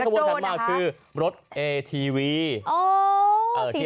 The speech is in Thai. นี่ขุมธรรมขันหมากคือรถเอทีวี